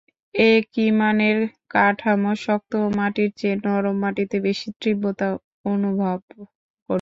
একই মানের কাঠামো শক্ত মাটির চেয়ে নরম মাটিতে বেশি তীব্রতা অনুভব করবে।